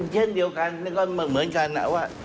เช่นเดียวกันแล้วก็เหมือนกันว่า